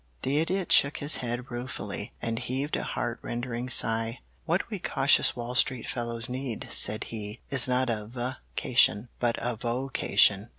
The Idiot shook his head ruefully and heaved a heart rending sigh. "What we cautious Wall Street fellows need," said he, "is not a VA cation, but a VO cation."